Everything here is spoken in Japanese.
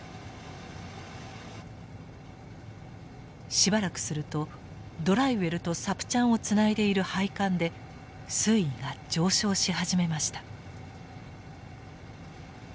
しばらくするとドライウェルとサプチャンをつないでいる配管で水位が上昇し始めました。